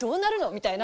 みたいな。